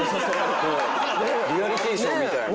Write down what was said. リアリティーショーみたいな。